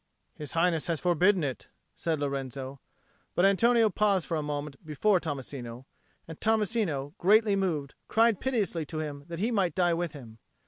"His Highness has forbidden it," said Lorenzo; but Antonio paused for a moment before Tommasino; and Tommasino, greatly moved, cried piteously to him that he might die with him.